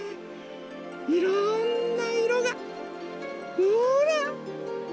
いろんないろがほら！